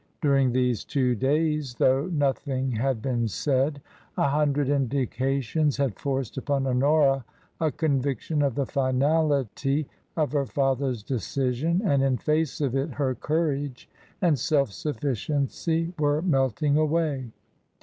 During these two days, though nothing had been said, a hundred indications had forced upon Honora a conviction of the finality of her father's decision, and in face of it her courage and self sufficiency were melting away.